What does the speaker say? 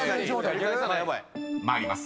［参ります。